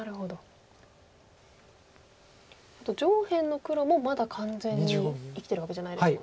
あと上辺の黒もまだ完全に生きてるわけじゃないですもんね。